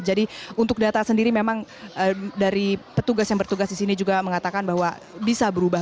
jadi untuk data sendiri memang dari petugas yang bertugas di sini juga mengatakan bahwa bisa berubah